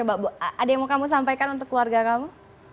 ada yang mau kamu sampaikan untuk keluarga kamu